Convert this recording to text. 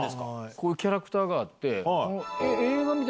こういうキャラクターがあって。